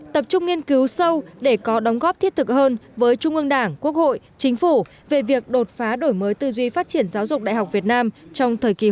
tập trung nghiên cứu sâu để có đóng góp thiết thực hơn với trung ương đảng quốc hội chính phủ về việc đột phá đổi mới tư duy phát triển giáo dục đại học việt nam trong thời kỳ mới